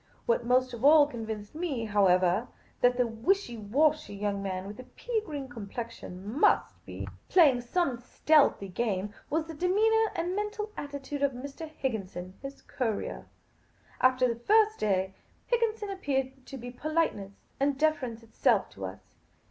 What most of all convinced me, however, that the wishy washy young man with the pea green complexion must be 220 Miss Cayley's Adventures playing some stealthy game, was the demeanour and mental attitude of Mr. Higginson, his courier. After the first day, Higginson appeared to be politeness and deference itself to us.